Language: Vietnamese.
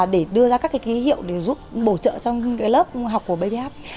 để đưa ra các ký hiệu để giúp bổ trợ cho lớp học của babyhub